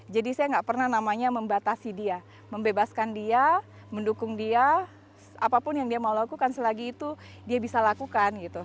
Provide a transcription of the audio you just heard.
saya nggak pernah namanya membatasi dia membebaskan dia mendukung dia apapun yang dia mau lakukan selagi itu dia bisa lakukan gitu